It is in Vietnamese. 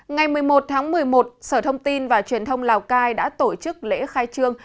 ngày một mươi một tháng một mươi một sở thông tin và truyền thông lào cai đã tổ chức lễ khai trương